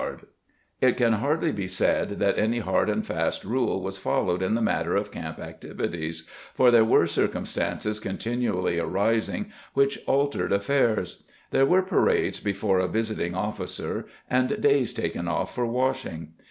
' It can hardly be said that any hard and fast rule was followed in the matter of camp activities for there were circumstances continually arising which altered affairs; there were parades before a visiting officer, and days taken off for washing.